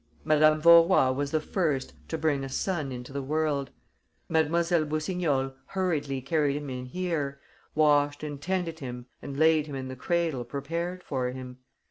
Madame Vaurois was the first to bring a son into the world. Mlle. Boussignol hurriedly carried him in here, washed and tended him and laid him in the cradle prepared for him....